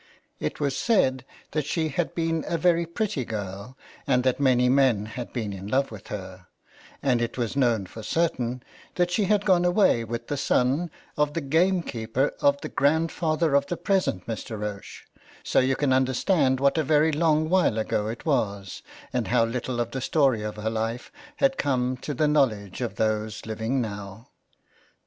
It was said that she had been a very pretty girl, and that many men had been in love with her, and it was known for certain that she had gone away with the son of the gamekeeper of the grandfather of the present Mr. Roche, so you can understand what a very long while ago it was, and how little of the story of her life had come to the knowledge of those living now.